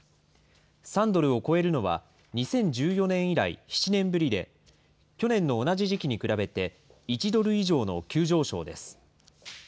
３ドルを超えるのは、２０１４年以来７年ぶりで、去年の同じ時期に比べて１ドル以上の急上昇です。